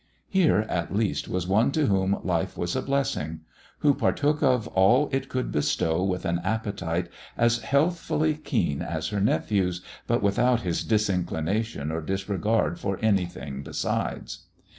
Here, at least, was one to whom life was a blessing; who partook of all it could bestow with an appetite as healthfully keen as her nephew's, but without his disinclination or disregard for anything besides.